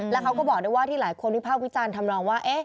แล้วเขาก็บอกด้วยว่าที่หลายคนวิพากษ์วิจารณ์ทำนองว่า